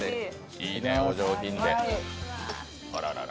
いいね、お上品で。